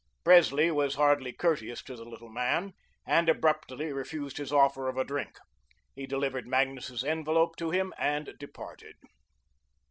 Presley was hardly courteous to the little man, and abruptly refused his offer of a drink. He delivered Magnus's envelope to him and departed.